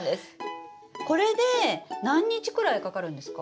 これで何日くらいかかるんですか？